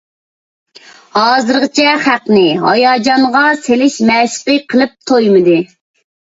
ھازىرغىچە خەقنى ھاياجانغا سېلىش مەشقى قىلىپ تويمىدى.